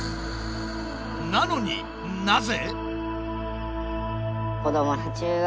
なのになぜ？